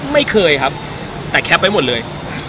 ไม่เคยครับแต่แคปไว้หมดเลย